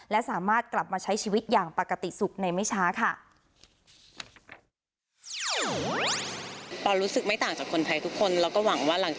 และสามารถกลับมาใช้ชีวิตอย่างปกติสุขในไม่ช้าค่ะ